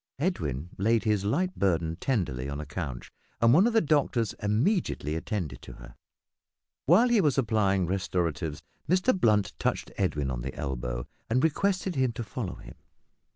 Edwin laid his light burden tenderly on a couch and one of the doctors immediately attended to her. While he was applying restoratives Mr Blunt touched Edwin on the elbow and requested him to follow him.